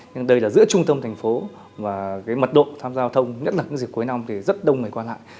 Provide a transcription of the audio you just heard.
nhưng đây là giữa trung tâm thành phố và cái mật độ tham gia giao thông nhất là những dịp cuối năm thì rất đông người qua lại